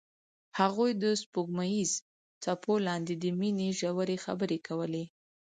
هغوی د سپوږمیز څپو لاندې د مینې ژورې خبرې وکړې.